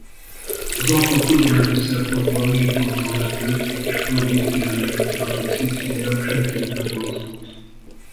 Az akkor tudományos szempontból mélyponton levő és provinciálisnak tartott Szicília senkit nem vonzott.